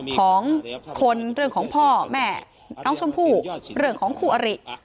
ของคนเรื่องของพ่อแม่น้องชมพู่เรื่องของคู่อริ